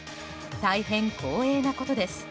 大変光栄なことです。